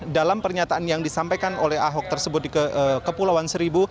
dalam pernyataan yang disampaikan oleh ahok tersebut di kepulauan seribu